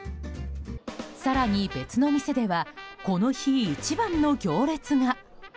更に、別のお店ではこの日一番の行列が。